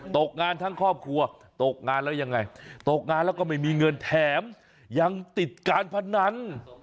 ตกงานทั้งครอบครัวตกงานแล้วยังไงตกงานแล้วก็ไม่มีเงินแถมยังติดการพนัน